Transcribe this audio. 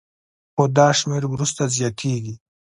خو دا شمېر وروسته زیاتېږي